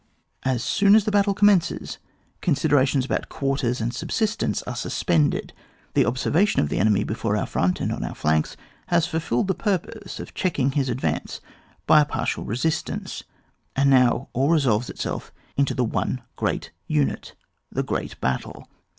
As soon as the battle com 20 ON WAR [book v. mences, considerations about quarters and subsistence are suspended ; the observa tion of the enemy before our front and on our flanks has fulfilled the purpose of checking his advance by a partial resist ance, and now all resolves itself into the one great unit — the great battle.